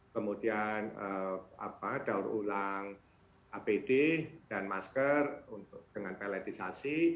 kemudian daur ulang apd dan masker dengan peletisasi